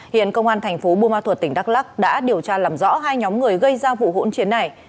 hiện công an thành phố bùa ma thuật tỉnh đắk lắc đã điều tra làm rõ hai nhóm người gây ra vụ hỗn chiến này